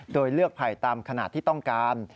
โดยเลือกไผ่ตามขนาดที่ต้องการ